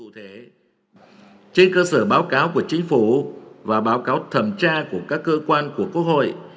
trên cơ sở báo cáo của chính phủ và báo cáo thẩm tra của các cơ quan của quốc hội